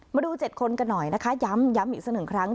มาดูเจ็ดคนกันหน่อยนะคะย้ำย้ำอีกสักหนึ่งครั้ง